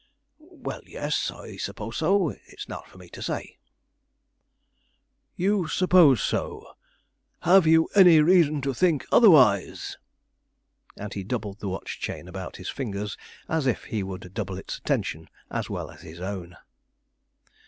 "Well, yes, I suppose so; it's not for me to say." "You suppose so. Have you any reason to think otherwise?" And he doubled the watch chain about his fingers as if he would double its attention as well as his own.